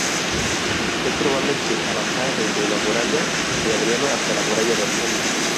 Es probable que abarcara desde la Muralla de Adriano hasta la Muralla de Antonino.